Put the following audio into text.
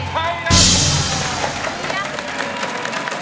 ไม่ไม่ใช้